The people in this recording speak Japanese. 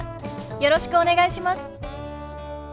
よろしくお願いします。